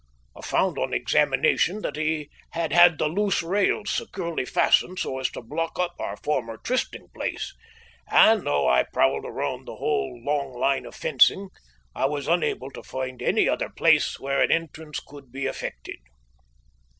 I found on examination that he had had the loose rails securely fastened so as to block up our former trysting place, and though I prowled round the whole long line of fencing, I was unable to find any other place where an entrance could be effected.